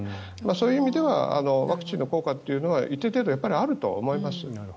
そういう意味ではワクチンの効果というのは一定程度あると思います。